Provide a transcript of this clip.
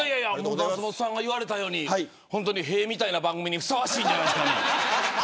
松本さんが言われたように本当に屁みたいな番組にふさわしいんじゃないですか。